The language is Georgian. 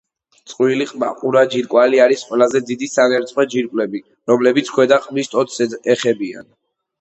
წყვილი ყბაყურა ჯირკვალი არის ყველაზე დიდი სანერწყვე ჯირკვლები, რომლებიც ქვედა ყბის ტოტს ეხებიან.